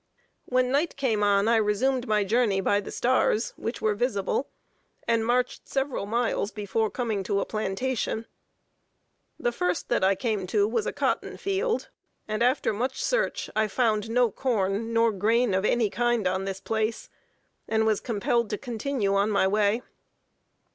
When night came on, I resumed my journey by the stars, which were visible, and marched several miles before coming to a plantation. The first that I came to was a cotton field; and after much search, I found no corn nor grain of any kind on this place, and was compelled to continue on my way.